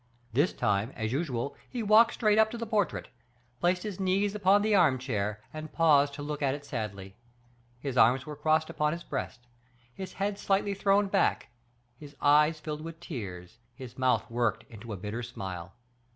This time, as usual, he walked straight up to the portrait, placed his knees upon the arm chair, and paused to look at it sadly. His arms were crossed upon his breast, his head slightly thrown back, his eyes filled with tears, his mouth worked into a bitter smile.